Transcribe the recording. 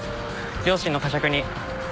良心の呵責に。